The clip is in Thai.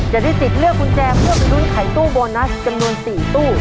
จะได้สิทธิ์เลือกกุญแจเพื่อไปลุ้นไขตู้โบนัสจำนวน๔ตู้